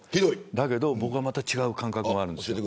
だけど僕はまた違う感覚があるんです。